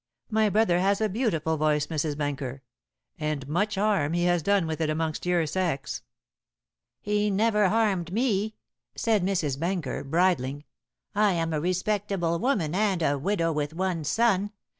My brother has a beautiful voice, Mrs. Benker; and much harm he has done with it amongst your sex." "He never harmed me," said Mrs. Benker, bridling. "I am a respectable woman and a widow with one son.